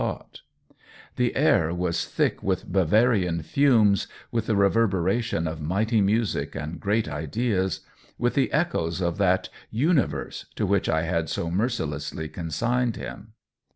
132 COLLABORATION The air was thick with Bavarian fumes, with the reverberation of mighty music and great ideas, with the echoes of that "uni verse " to which I had so mercilessly con signed him.